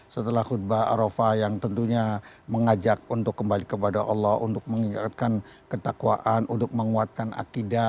setelah khutbah arafah yang tentunya mengajak untuk kembali kepada allah untuk mengingatkan ketakwaan untuk menguatkan akidah